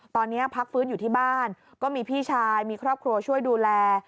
ตอนนี้พักฟื้นอยู่ที่บ้านก็มีพี่ชายมีครอบครัวช่วยดูแล